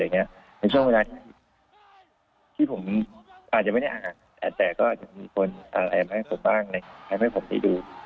ในช่วงเวลาที่ผมอาจจะไม่ได้อ่านแต่ก็มีคนอาแรมให้ผมบ้างให้ผมไปดู